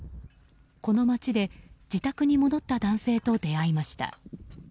この街で、自宅に戻った男性と出会いました。